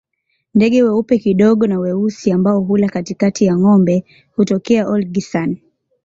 Ndege weupe kidogo na weusi ambao hula katikati ya ngombe hutokea Olgisan